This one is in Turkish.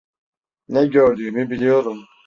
Ne gördüğümü biliyorum.